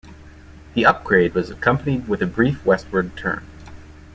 The upgrade was accompanied with a brief westward turn.